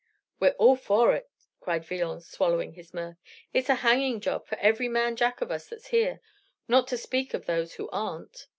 "We're all in for it," cried Villon, swallowing his mirth. "It's a hanging job for every man jack of us that's here not to speak of those who aren't."